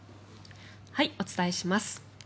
お伝えします。